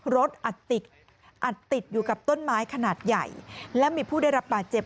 รถอัดติดอัดติดอยู่กับต้นไม้ขนาดใหญ่และมีผู้ได้รับบาดเจ็บ